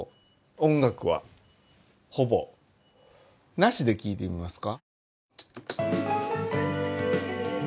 なしで聴いてみますか？